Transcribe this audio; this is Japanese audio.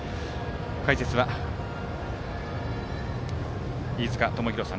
解説は飯塚智広さん。